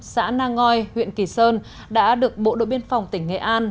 xã nangoi huyện kỳ sơn đã được bộ đội biên phòng tỉnh nghệ an